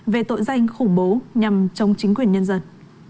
về tội danh khủng bố nhằm chống chính quyền nhân dân